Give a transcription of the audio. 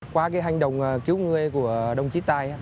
qua cái hành động cứu người của đồng chí tài